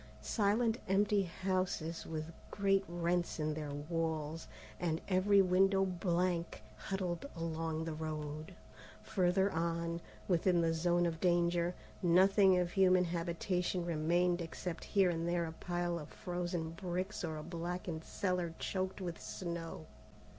Silent empty houses with great rents in their walls, and every window blank, huddled along the road. Further on, within the zone of danger, nothing of human habitation remained except here and there a pile of frozen bricks or a blackened cellar choked with snow.